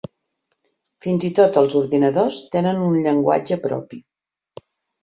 Fins i tot els ordinadors tenen un llenguatge propi.